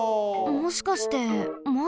もしかしてまいご？